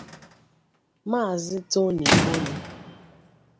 Maazị Tony Oli.